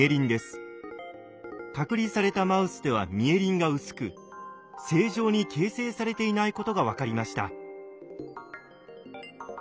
隔離されたマウスではミエリンが薄く正常に形成されていないことが分かりました。